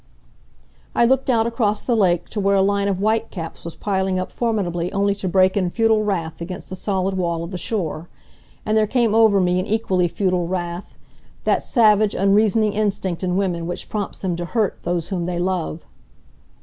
I looked out across the lake to where a line of white caps was piling up formidably only to break in futile wrath against the solid wall of the shore. And there came over me an equally futile wrath; that savage, unreasoning instinct in women which prompts them to hurt those whom they love.